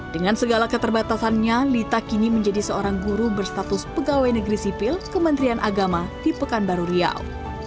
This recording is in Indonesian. dengan segala keterbatasannya lita kini menjadi seorang guru berstatus pegawai negeri sipil kementerian agama di pekanbaru riau